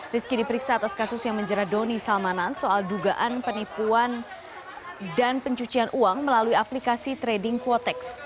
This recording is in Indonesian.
rizky diperiksa atas kasus yang menjerat doni salmanan soal dugaan penipuan dan pencucian uang melalui aplikasi trading quotex